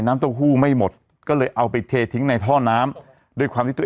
เต้าหู้ไม่หมดก็เลยเอาไปเททิ้งในท่อน้ำด้วยความที่ตัวเอง